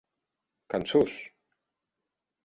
Cançons!